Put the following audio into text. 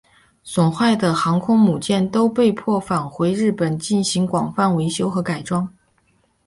损坏的航空母舰都被迫返回日本进行广泛维修和改装。